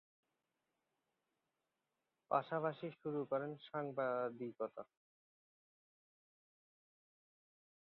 পাশাপাশি শুরু করেন সাংবাদিকতা।